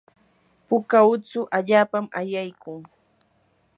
puka utsu allapami ayaykun.